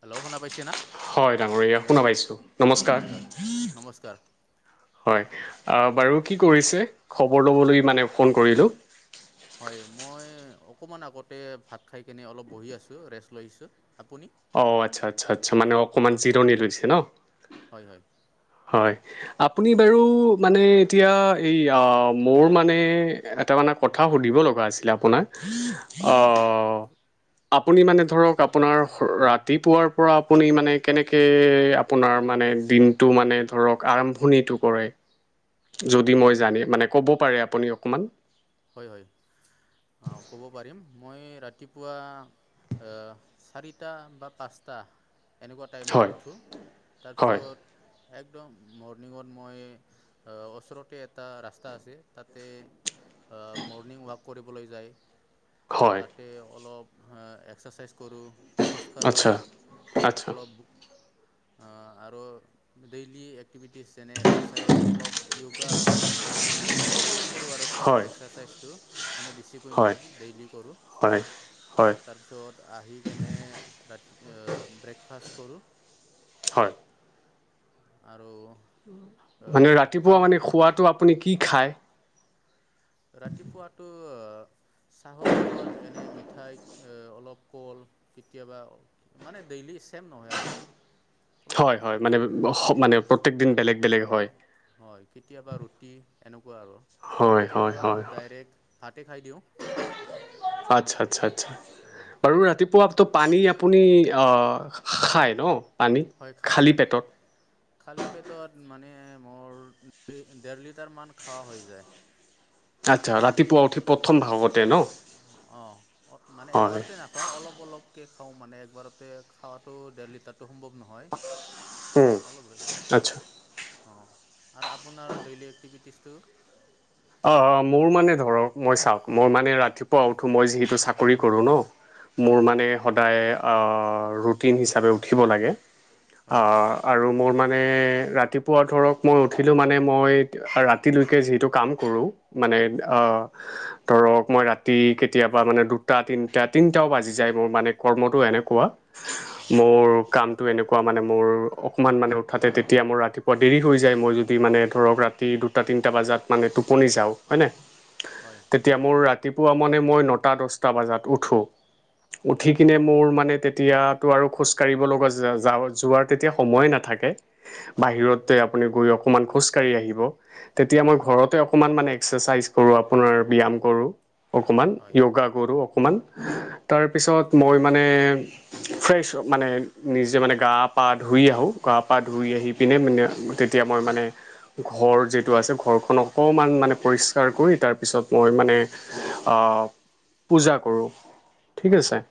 Hello শুনা পাইছে না? হয় ডাঙৰীয়া শুনা পাইছো, নমস্কাৰ। হয় হয় নমস্কাৰ। হয়, অ' বাৰু কি কৰিছে? খবৰ ল'বলৈ মানে ফোন কৰিলোঁ। হয় মই অকনমান আগতে ভাত খাই কিনে অলপ বহি আছো ৰেষ্ট লৈছোঁ, আপুনি। অ' আচ্ছা আচ্ছা আচ্ছা মানে অকণমান জিৰণি লৈছে ন। হয় হয়। হয়, আপুনি বাৰু মানে এতিয়া এই এ মোৰ মানে এটা মানে কথা সুধিব লগা আছিলে আপোনাক, হয় অ'। আপুনি মানে ধৰক আপোনাৰ ৰাতিপুৱাৰ পৰা আপুনি মানে কেনেকে আপোনা [unintelligible] মানে দিন [unintelligible] মানে ধৰক আৰম্ভণিটো কৰে, যদি মই জানি মানে ক'ব পাৰে আপুনি অকণমান। হয় হয়, অ' ক'ব পাৰিম, মই ৰাতিপুৱা অ' চাৰিটা বা পাঁচটা এনেকুৱা হয় টাইমত উঠোঁ, হয় তাৰপিছত একদম মৰ্ণিংত মই অ' ওচৰতে এটা ৰাস্তা আছে তাতে অ' মৰ্ণিং ৱাক কৰিবলৈ যায়, হয় তাতে অলপ এ এক্সাৰচাইজ কৰো খোজ কাঢ়ো, আচ্ছা, আচ্ছা। অলপ অ' আৰু ডেইলি এক এক্টিভিটিছ যেনে এক্সাৰচাইজ অলপ য়োগা নিচিনা, অলপ অলপ কৰোঁ আৰু চব হয়, [unintelligible] মানে বেছিকৈ হয়, নহয় ডেইলি কৰো। হয়, হয়, তাৰপিছত আহি কেনে ৰাতি এ ব্ৰেকফাষ্ট কৰো। হয়। আৰু মানে ৰাতিপুৱা কামৰ মানে খোৱাটো আপুনি কি খায়। ৰাতিপুৱাতো এ চাহৰ লগত এনে মিঠাই এ অলপ কল কেতিয়াবা মানে ডেইলি ছেম নহয় আৰু। অলপ হয় হয় মানে মানে প্ৰত্যেক দিন বেলেগ বেলেগ হয়। হয় কেতিয়াবা ৰুটি এনেক [unintelligible] আৰু, হয়, হয়, কেতিয়াবা হয়, আৰু হয়। ডাইৰেক্ট ভাতে খাই দিওঁ। আচ্ছা আচ্ছা আচ্ছা, অঁ বাৰু ৰাতিপ [unintelligible] পানী আপুনি অ' খায় ন পানী, হয় খাই খালী খাই পেটত। খালী পেটত মানে মোৰ দেৰ লিটাৰ মান খোৱা হৈ যায়। আচ্ছা, ৰাতিপুৱা উঠি প্ৰথম ভাগতে ন? অ', মানে হয়, একবাৰতে নাখাওঁ অলপ, অলপ কে, খাওঁ মানে একবাৰতে খাৱাটো ডেৰলিটাৰ [unintelligible] সম্ভৱ নহয়, উম, অলপ আচ্ছা। অ' আৰু আপোনাৰ ডেইলি এক্টিভিটিছটো। অ'-অ', মোৰ মানে ধৰক মই চাওঁক মই মানে ৰাতিপুৱা উঠো মই যিহেতু চাকৰি কৰোঁ ন'। হয় মোৰ হয় মানে সদায় অ' ৰুটিন হিচাপে উঠিব লাগে। অ' হয় আৰু মোৰ মানে ৰাতিপুৱা ধৰক মই উঠিলোঁ মানে মই ৰাতিলৈকে যিহেতু কাম কৰোঁ মানে অ' ধৰক মই ৰাতি কেতিয়াবা মানে দুটা তিনিটা-তিনিটা তিনিটাও বাজি যায় মোৰ মানে কৰ্মটো এনেকুৱা, মোৰ কামটো এনেকুৱা মানে মোৰ অকণমান মানে উঠাতে তেতিয়া মোৰ ৰাতিপুৱা দেৰি হৈ যায় মই যদি মানে ধৰক ৰাতি দুটা তিনিটা বাজি তিনিটাত মানে টোপনি যাওঁ হয়নে, হয় তেতিয়া মোৰ ৰাতি ৰাতিপুৱা মানে মই নটা দহটা বজাত উঠোঁ, উঠি হয় কিনে মোৰ মানে তেতিয়া তেতিয়াতো আৰু খোজকাঢ়িব লগা যা যোৱাৰ তেতিয়া সময় নাথাকে হয় হয় বাহিৰতে আপুনি গৈ অকমান খোজকাঢ়ি আহিব তেতিয়া মই হয় ঘৰতে অকণমান মানে এক্সেচাইজ কৰোঁ, আপোনাৰ ব্যয়াম কৰোঁ অকমান, হয় যোগা কৰোঁ হয় অকমান। তাৰপিছত মই মানে ফ্ৰেছ মানে নিজে মানে গা পা ধুই আহোঁ। গা পা ধুই আহি পিনে মানে তেতিয়া মই মানে ঘৰ যিটো আছে ঘৰখনক অকণমান মানে পৰিষ্কাৰ কৰি তাৰপিছত মই মানে অ' পূজা কৰোঁ। ঠিক হয় হয় আছে, হয়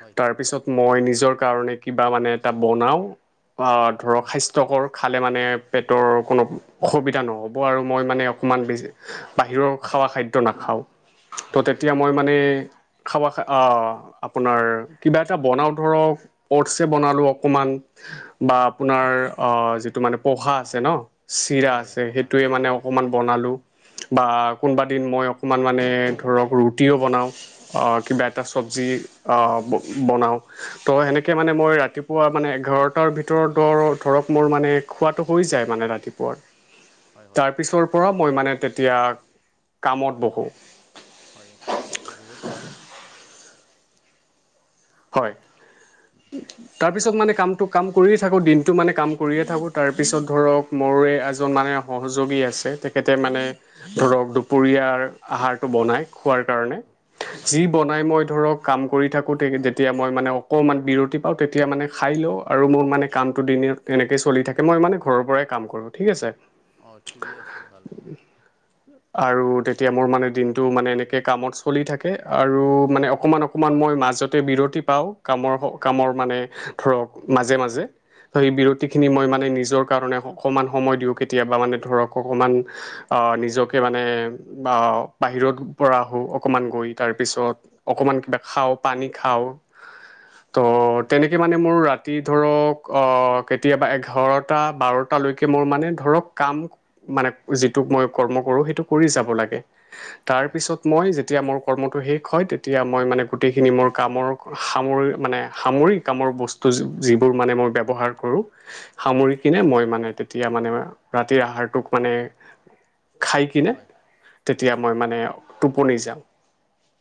হয় হয় তাৰপিছত মই নিজৰ কাৰণে কিবা মানে এটা বনাও। অ' ধৰক স্বাস্থ্যকৰ খালে মানে পেটৰ কোনো অসুবিধা নহ'ব আৰু মই মানে ইমান বেছি বাহিৰৰ খোৱা খাদ্য নাখাওঁ, তো হয় হয় তেতিয়া মই মানে খাৱা খা অ', আপোনাৰ কিবা এটা বনাওঁ ধৰক ওটচে বনালোঁ অকণমান। বা আপোনাৰ অ' যিটো মানে পোহা আছে ন' চিৰা হয় হয় আছে, পোহা সেইটোৱে মানে চিৰা অকমান বা কোনবাদিন মই অকমান মানে ধৰক, ৰুটিও বনাও। কিবা হয় এটা চবজি অ, ব বনাওঁ। তো এনেকে মানে মই ৰাতিপুৱা মানে এঘাৰটাৰ ভিতৰতৰ ধৰক মোৰ মানে খোৱাটো হৈ যায় মানে ৰাতিপুৱা হয় হয় তাৰ পিছৰ পৰা মই মানে তেতিয়া কামত বহোঁ। হয়, বহুত ভাল। হয়। তাৰপিছত মানে কামটো, কাম কৰিয়ে থাকোঁ দিনটো মানে কাম কৰিয়ে থাকোঁ, তাৰপিছত ধৰক মোৰে এজন মানে সহযোগী আছে, তেখেতে মানে ধৰক দুপৰীয়াৰ আহাৰটো বনাই খোৱাৰ কাৰণে। হয় যি বনাই মই ধৰক কাম কৰি থাকোতেই কেতিয়াবা তেতিয়া মই মানে অকণমান বিৰতি পাওঁ, তেতিয়া মানে খাই লওঁ আৰু মোৰ মানে কামটো দিনত এনেকৈ চলি থাকে মই মানে ঘৰৰ পৰাই কাম কৰোঁ, ঠিক আছে? অ, ঠিকেই আছে ভালে আৰু তেতিয়া মোৰ মানে দিনটো মানে এনেকে কামত চলি থাকে আৰু মানে অকমান অকমান মই মাজতে বিৰত পাওঁ, কামৰ মানে ধৰক, মাজে মাজে সেই হয় বিৰতিখিনি মই মানে নিজ মোৰ কাম অকণমান সময় দিওঁ কেতিয়াবা মানে অকণমান নিজকে মানে অ, বাহিৰৰ পৰা আহোঁ অকণমান গৈ, তাৰপিছত অকণমান কিবা খাওঁ, পানী খাওঁ [unintelligible] ত' হয় তেনেকে মানে মোৰ ৰাতি ধৰক, অহ, কেতিয়াবা এঘাৰটা, বাৰটালৈকে মোৰ মানে ধৰক কাম মানে যিটোক মই কৰ্ম কৰো সেইটো কৰি যাব লাগে- তাৰ হয় পিছত মই যেতিয়া মোৰ কৰ্মটো শেষ হয় তেতিয়া মই মানে গোটেইখিনি মোৰ কামৰ সামৰি মানে সামৰি, কামৰ বস্তু যিবোৰ মানে মই ব্যৱহাৰ কৰোঁ, সামৰি কিনে মই মানে তেতিয়া মানে ৰাতিৰ আহাৰটোক মানে খাই কিনে, হয় তেতিয়া মই মানে টোপনি যাওঁ।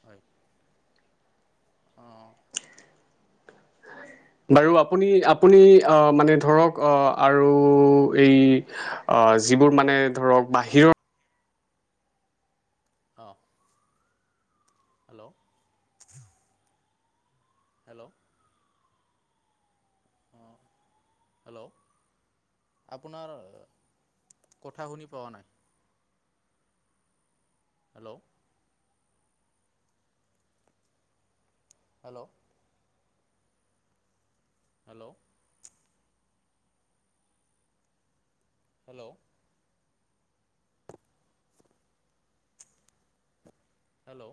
হয়, অ' অ'। বাৰু আপুনি আপুনি অ' মানে ধৰক অ' আৰু এই অ, যিবোৰ মানে ধৰক বাহিৰৰ অহ হেল্ল' হেল্ল' অ' হেল্ল'। আপোনাৰ কথা শুনি পোৱা নাই। Hello hello hello hello hello.